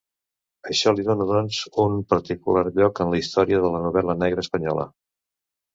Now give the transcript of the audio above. Això li dóna doncs un particular lloc en la història de la novel·la negra espanyola.